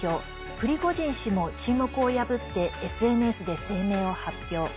プリゴジン氏も沈黙を破ってＳＮＳで声明を発表。